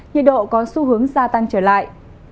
nhiệt độ có xu hướng gia tăng trở lại